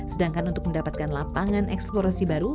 sedangkan untuk mendapatkan lapangan eksplorasi baru